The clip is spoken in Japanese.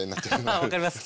ああ分かります。